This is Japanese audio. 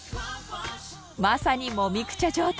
まさにもみくちゃ状態。